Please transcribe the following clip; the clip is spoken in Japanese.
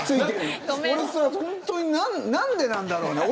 本当に、何でなんだろうね。